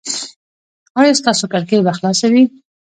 ایا ستاسو کړکۍ به خلاصه وي؟